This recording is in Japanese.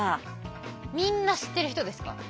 みんな知ってる人ですか？